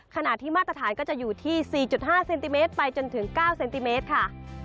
ขณะที่มาตรฐานก็จะอยู่ที่๔๕เซนติเมตรไปจนถึง๙เซนติเมตรค่ะ